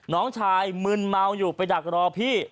น้องชายมึนเมาอยู่ไปดักรอพี่